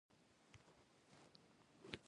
لوی توپیرونه رامځته کړل.